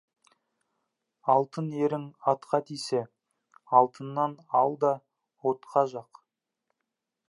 Алтын ерің атқа тисе, алтынын ал да, отқа жақ.